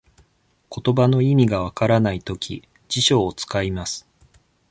ことばの意味が分からないとき、辞書を使います。